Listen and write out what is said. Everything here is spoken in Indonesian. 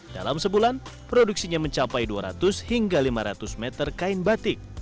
dalam sebulan produksinya mencapai dua ratus hingga lima ratus meter kain batik